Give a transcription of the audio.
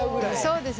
そうです。